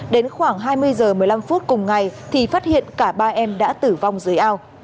đến khoảng hai mươi h một mươi năm phút cùng ngày thì phát hiện cả ba em đã tử vong dưới ao